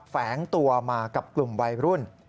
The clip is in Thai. แฝงตัวมากับกลุ่มวัยรุ่น